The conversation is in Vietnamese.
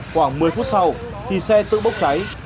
khoảng một mươi phút sau thì xe tự bốc cháy